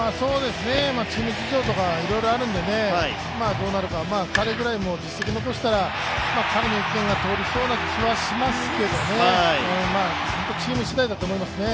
チーム事情とかいろいろあるのでどうなるか、彼ぐらい実績を残したら彼の意見が通りそうな気はしますけど、本当にチームしだいだと思いますね。